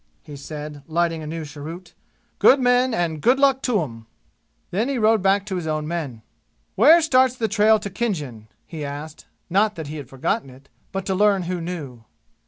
he said, lighting a new cheroot. "Good men and good luck to 'em!" Then he rode back to his own men. "Where starts the trail to Khinjan?" he asked; not that he had forgotten it, but to learn who knew.